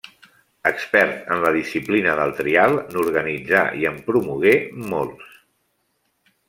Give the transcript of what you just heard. Expert en la disciplina del trial, n'organitzà i en promogué molts.